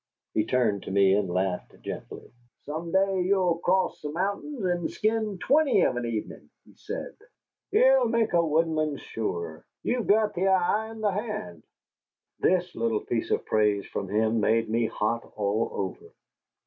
He turned to me and laughed gently. "Some day you'll cross the mountains and skin twenty of an evening," he said. "Ye'll make a woodsman sure. You've got the eye, and the hand." This little piece of praise from him made me hot all over.